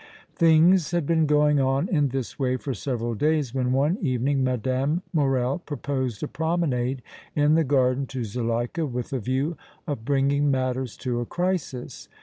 Things had been going on in this way for several days, when one evening Mme. Morrel proposed a promenade in the garden to Zuleika with a view of bringing matters to a crisis.